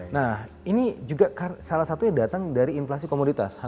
nah ini juga salah satunya datang dari inflasi komoditas